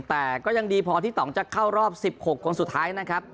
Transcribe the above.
แต่ก็ยังดีพอที่ต่องจะเข้ารอบ๑๖คนสุดท้ายนะครับ